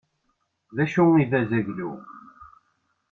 D acu i d azaglu?